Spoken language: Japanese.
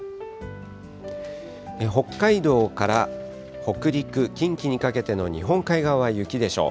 北海道から北陸、近畿にかけての日本海側は雪でしょう。